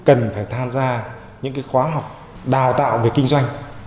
cần phải tham gia những khóa học đào tạo về kinh doanh